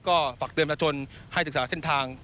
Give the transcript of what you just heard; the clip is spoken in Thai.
ก็ฝากเตือนประชาชนให้ศึกษาเส้นทาง